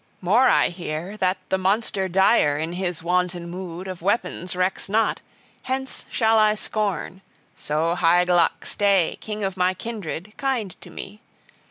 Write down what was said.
More I hear, that the monster dire, in his wanton mood, of weapons recks not; hence shall I scorn so Hygelac stay, king of my kindred, kind to me!